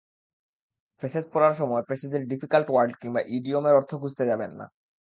Passage পড়ার সময় প্যাসেজের ডিফিকাল্ট ওয়ার্ড কিংবা ইডিয়মের অর্থ খুঁজতে যাবেন না।